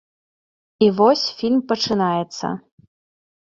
І вось, фільм пачынаецца.